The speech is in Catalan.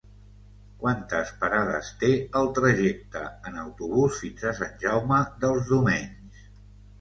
Quantes parades té el trajecte en autobús fins a Sant Jaume dels Domenys?